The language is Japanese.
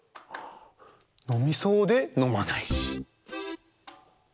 のみそうでのまないし。